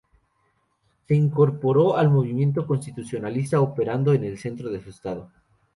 Se incorporó al movimiento constitucionalista, operando en el centro de su estado.